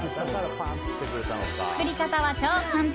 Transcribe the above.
作り方は超簡単。